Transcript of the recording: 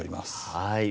はい。